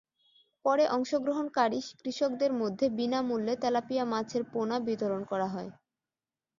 পরে অংশগ্রহণকারী কৃষকদের মধ্যে বিনা মূল্যে তেলাপিয়া মাছের পোনা বিতরণ করা হয়।